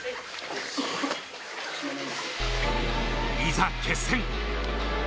いざ決戦。